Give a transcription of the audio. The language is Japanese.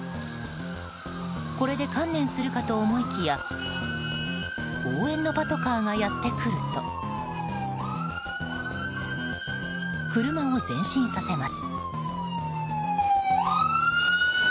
これで観念するかと思いきや応援のパトカーがやってくると車を前進させます。